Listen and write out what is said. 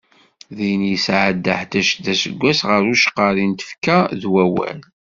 Din i yesɛedda ḥdac d aseggas, gar ucqerri n tfekka d wawal.